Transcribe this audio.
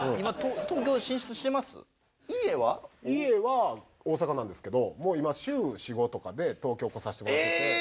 家は大阪なんですけどもう今週４５とかで東京来させてもらってて。